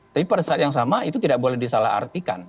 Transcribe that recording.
tapi pada saat yang sama itu tidak boleh disalah artikan